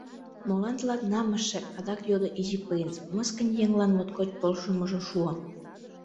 — Молан тылат намысше? — адак йодо Изи принц, мыскынь еҥлан моткоч полшымыжо шуо.